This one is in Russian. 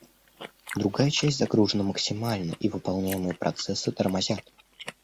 Другая часть загружена максимально и выполняемые процессы «тормозят»